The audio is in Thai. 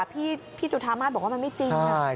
พี่จุธามาศบอกว่ามันไม่จริง